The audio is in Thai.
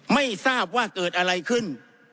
ไม่ทราบว่าเกิดอะไรขึ้น